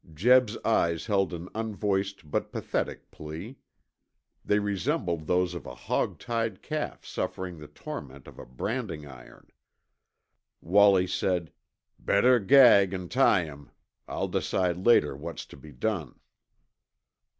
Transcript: Jeb's eyes held an unvoiced but pathetic plea. They resembled those of a hog tied calf suffering the torment of a branding iron. Wallie said, "Better gag an' tie him. I'll decide later what's to be done."